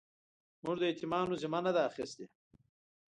موږ د يتيمانو ذمه نه ده اخيستې.